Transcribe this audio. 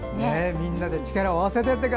みんなで力を合わせて。